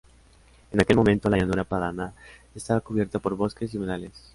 En aquel momento la llanura padana estaba cubierta por bosques y humedales.